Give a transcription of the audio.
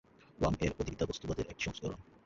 ওয়াং-এর অধিবিদ্যা বস্তুবাদের একটি সংস্করণ।